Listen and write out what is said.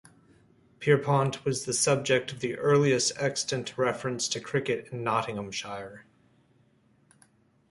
Pierrepont was the subject of the earliest extant reference to cricket in Nottinghamshire.